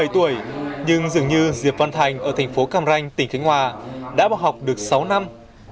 một mươi tuổi nhưng dường như diệp văn thành ở thành phố cam ranh tỉnh khánh hòa đã bỏ học được sáu năm